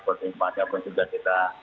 berdiri padahal juga kita